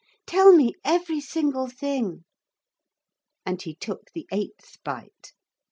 Tell me every single thing.' And he took the eighth bite.